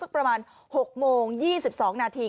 ประมาณ๖โมง๒๒นาที